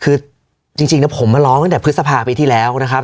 คือจริงผมมาร้องตั้งแต่พฤษภาปีที่แล้วนะครับ